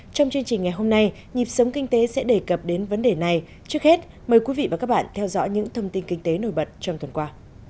trong chương trình ngày hôm nay nhịp sống kinh tế sẽ đề cập đến vấn đề này trước hết mời quý vị và các bạn theo dõi những thông tin kinh tế nổi bật trong tuần qua